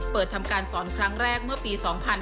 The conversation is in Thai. ทำการสอนครั้งแรกเมื่อปี๒๕๕๙